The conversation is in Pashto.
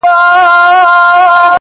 په تا هيـــــڅ خــــبر نـــه يــــم؛